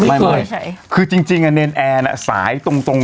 เหลือแค่ลงทำไมใช่คือจริงอ่ะเนนแอร์นะสายตรง